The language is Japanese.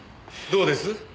どうです？